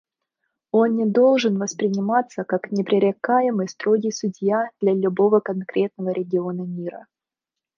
Он не должен восприниматься как непререкаемый строгий судья для любого конкретного региона мира.